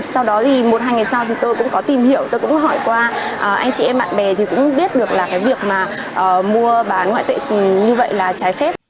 sau đó thì một hai ngày sau thì tôi cũng có tìm hiểu tôi cũng hỏi qua anh chị em bạn bè thì cũng biết được là cái việc mà mua bán ngoại tệ như vậy là trái phép